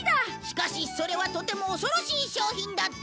しかしそれはとても恐ろしい商品だった